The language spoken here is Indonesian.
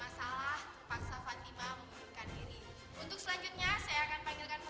assalamu'alaikum warahmatullahi wabarakatuh